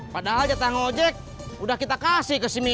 padahal jatah ngolejek udah kita kasih ke si mimin